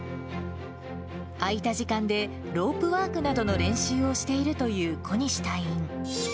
空いた時間でロープワークなどの練習をしているという小西隊員。